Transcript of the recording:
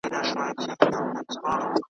را نصیب چي یې څپې کړې د اسمان کیسه کومه .